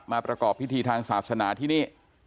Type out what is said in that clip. ประกอบพิธีทางศาสนาที่นี่